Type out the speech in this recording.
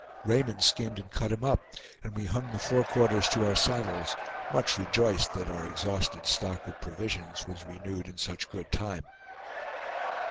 Raymond skinned and cut him up, and we hung the forequarters to our saddles, much rejoiced that our exhausted stock of provisions was renewed in such good time.